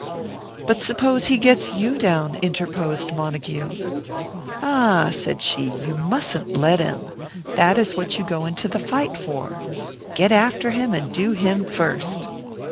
"But suppose he gets you down?" interposed Montague. "Ah!" said she, "you mustn't let him! That is what you go into the fight for. Get after him, and do him first."